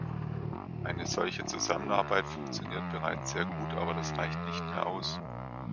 Eine solche Zusammenarbeit funktioniert bereits sehr gut, aber das reicht nicht mehr aus.